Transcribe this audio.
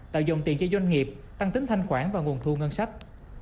tạo dòng tiền cho doanh nghiệp tăng tính thanh khoản và nguồn thu ngân sách